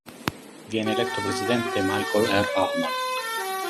Viene eletto presidente Michael R. Hallman.